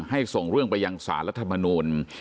ส่งเรื่องไปยังสารรัฐมนูล